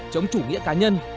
chống chủ nghĩa cá nhân